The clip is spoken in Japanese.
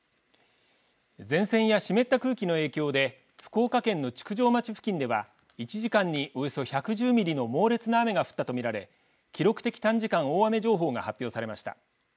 前線や湿った空気の影響で福岡県の築上町付近では１時間におよそ１１０ミリの猛烈な雨が降ったと見られ記録的短時間大雨情報が発表されました。